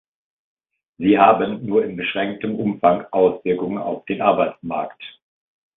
Sie haben nur in beschränktem Umfang Auswirkungen auf den Arbeitsmarkt.